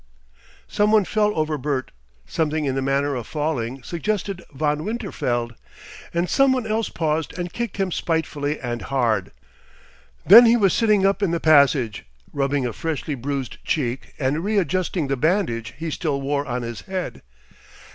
Some one fell over Bert something in the manner of falling suggested Von Winterfeld and some one else paused and kicked him spitefully and hard. Then he was sitting up in the passage, rubbing a freshly bruised cheek and readjusting the bandage he still wore on his head.